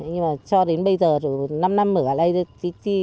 nhưng mà cho đến bây giờ năm năm ở đây